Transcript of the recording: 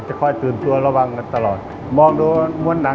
สวัสดีครับผมชื่อสามารถชานุบาลชื่อเล่นว่าขิงถ่ายหนังสุ่นแห่ง